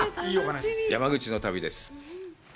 山口の旅です。